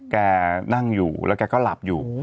แกนั่งอยู่แล้วแกก็หลับอยู่